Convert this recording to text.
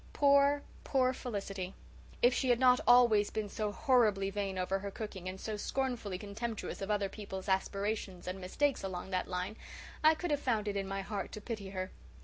Poor, poor Felicity! If she had not always been so horribly vain over her cooking and so scornfully contemptuous of other people's aspirations and mistakes along that line, I could have found it in my heart to pity her.